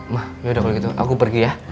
ma ya udah kalau gitu aku pergi ya